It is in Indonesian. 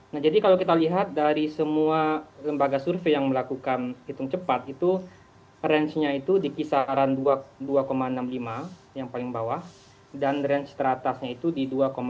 nah jadi kalau kita lihat dari semua lembaga survei yang melakukan hitung cepat itu range nya itu di kisaran dua enam puluh lima yang paling bawah dan range teratasnya itu di dua lima